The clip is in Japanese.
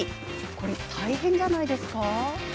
これ、大変じゃないですか？